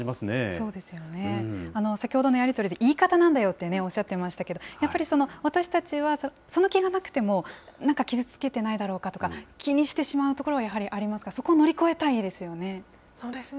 そうですよね、先ほどのやり取りで言い方なんだよっておっしゃっていましたけれども、やっぱり私たちはその気がなくても、なんか傷つけてないだろうかとか、気にしてしまうところはやはりありますから、そこを乗り越えたいですよね。